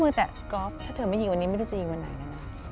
แต่กอล์ฟถ้าเธอไม่ยิงวันนี้ไม่รู้จะยิงวันไหนแล้วนะ